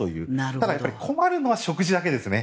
ただ、困るのは食事だけですね。